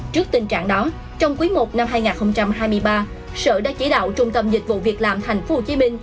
trước tình trạng đó trong quý i năm hai nghìn hai mươi ba sở đã chỉ đạo trung tâm dịch vụ việc làm tp hcm